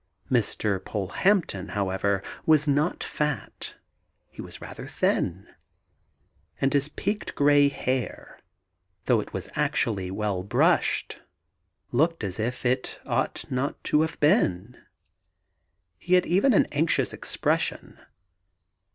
Mr. Polehampton, however, was not fat. He was even rather thin, and his peaked grey hair, though it was actually well brushed, looked as if it ought not to have been. He had even an anxious expression.